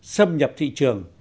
xâm nhập thị trường